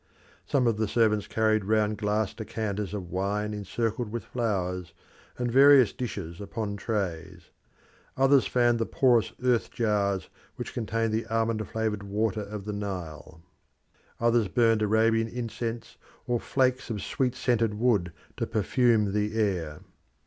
Some of the servants carried round glass decanters of wine encircled with flowers, and various dishes upon trays. Others fanned the porous earth jars which contained the almond flavoured water of the Nile. Others burnt Arabian incense or flakes of sweet scented wood to perfume the air.